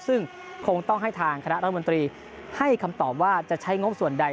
ซึ่งคงต้องให้ทางคณะรัฐมนตรีให้คำตอบว่าจะใช้งบส่วนใด